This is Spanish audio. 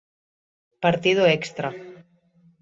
Partido extra